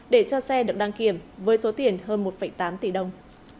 để cho xe được đăng kiểm với số tiền hơn một tám tỷ đồng